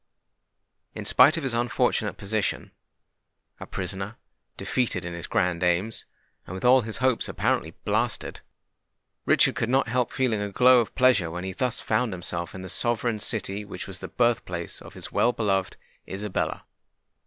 In spite of his unfortunate position,—a prisoner, defeated in his grand aims, and with all his hopes apparently blasted,—Richard could not help feeling a glow of pleasure when he thus found himself in the sovereign city which was the birth place of his well beloved Isabella.